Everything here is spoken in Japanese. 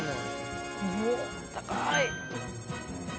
おっ高い。